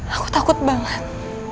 aku takut banget